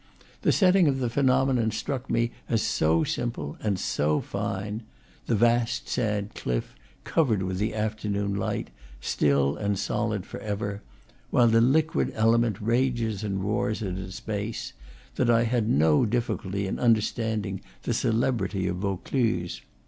The setting of the phenomenon struck me as so simple and so fine the vast sad cliff, covered with the after noon light, still and solid forever, while the liquid ele ment rages and roars at its base that I had no diffi culty in understanding the celebrity of Vaucluse.